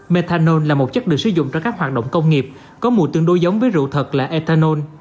methanol là một chất được sử dụng trong các hoạt động công nghiệp có mùi tương đối giống với rượu thật là ethanol